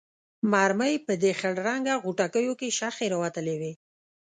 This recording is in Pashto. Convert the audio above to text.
مرمۍ په دې خړ رنګه غوټکیو کې شخې راوتلې وې.